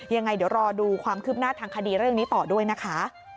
ยังไงเดี๋ยวรอดูความคืบหน้าทางคดีเรื่องนี้ต่อด้วยนะคะ